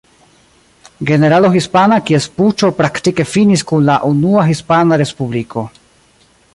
Generalo hispana kies puĉo praktike finis kun la Unua Hispana Respubliko.